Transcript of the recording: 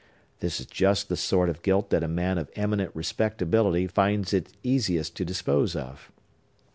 This is just the sort of guilt that a man of eminent respectability finds it easiest to dispose of.